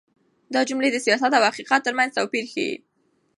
دا جملې د سياست او حقيقت تر منځ توپير ښيي.